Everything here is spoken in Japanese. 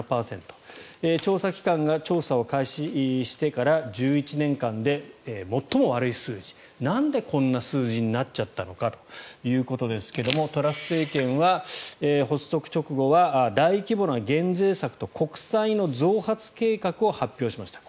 調査機関が調査を開始してから１１年間で最も悪い数字なんでこんな数字になっちゃったのかですがトラス政権は発足直後は大規模な減税策と国債の増発計画を発表しました。